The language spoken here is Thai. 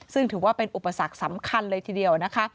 ซึ่งถือว่าเป็นอุปสรรคสำคัญเลยทีเดียวนะคะ